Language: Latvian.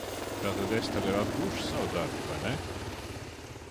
Tātad es tagad atgūšu savu darbu, vai ne?